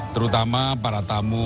terutama para tamu